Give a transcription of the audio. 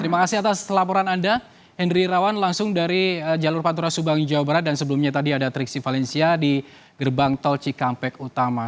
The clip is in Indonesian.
terima kasih atas laporan anda henry irawan langsung dari jalur pantura subang jawa barat dan sebelumnya tadi ada triksi valencia di gerbang tol cikampek utama